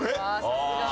さすが！